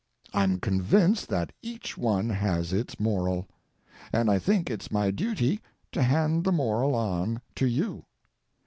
I'm convinced that each one has its moral. And I think it's my duty to hand the moral on to you.